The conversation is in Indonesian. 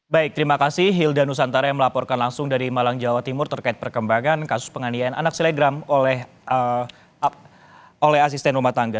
baik terima kasih hilda nusantara yang melaporkan langsung dari malang jawa timur terkait perkembangan kasus penganiayaan anak selegram oleh asisten rumah tangga